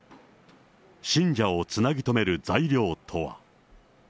信者をつなぎとめる材料とは。